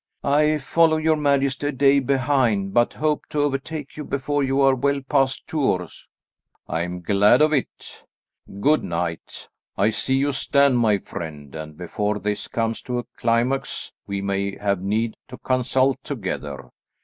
"I follow your majesty a day behind, but hope to overtake you before you are well past Tours." "I am glad of it. Good night. I see you stand my friend, and before this comes to a climax we may have need to consult together.